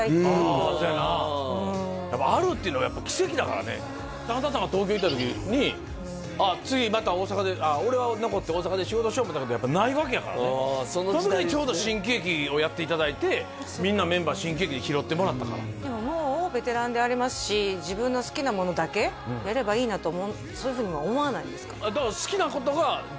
そうやなうんやっぱダウンタウンさんが東京行った時に次また大阪で俺は残って大阪で仕事しようと思ったけどやっぱりないわけやからねその時にちょうど新喜劇をやっていただいてみんなメンバー新喜劇に拾ってもらったからでももうベテランでありますし自分の好きなものだけやればいいなとそういうふうには思わないんですか？